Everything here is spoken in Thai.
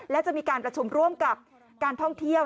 และจะมีการประชุมร่วมกับการท่องเที่ยว